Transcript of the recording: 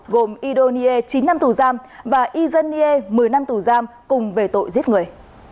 gồm ido nie chín năm tù giam và y dân nie một mươi năm tù giam cùng về tội giết người